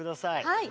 はい。